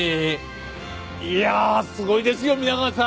いやあすごいですよ皆川さん！